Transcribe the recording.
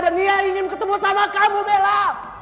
dan dia ingin ketemu sama kamu bella